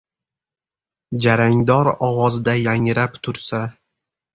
Jarangdor ovozda yangrab tursa